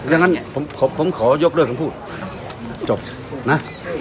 อ้าวอย่างนั้นอย่างนั้นผมขอยกเรื่องผมพูดจบนะ